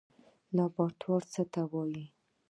لابراتوار څه ته وایي؟